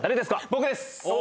僕です！